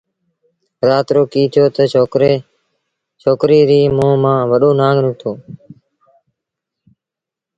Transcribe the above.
رآت رو ڪيٚ ٿيو تا ڇوڪريٚ ري مݩهݩ مآݩ وڏو نآݩگ نکتو